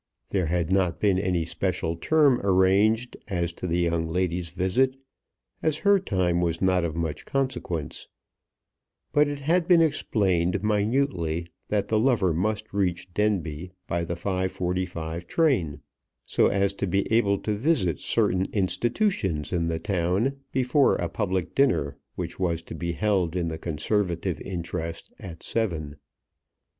There had not been any special term arranged as to the young lady's visit, as her time was not of much consequence; but it had been explained minutely that the lover must reach Denbigh by the 5.45 train, so as to be able to visit certain institutions in the town before a public dinner which was to be held in the Conservative interest at seven.